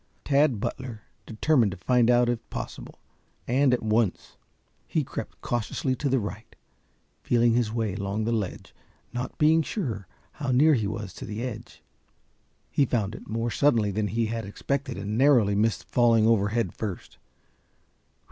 Tad Butler determined to find out if possible, and at once. He crept cautiously to the right, feeling his way along the ledge, not being sure how near he was to the edge. He found it more suddenly than he had expected, and narrowly missed falling over head first.